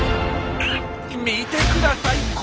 見てください